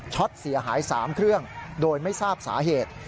ตเสียหาย๓เครื่องโดยไม่ทราบสาเหตุ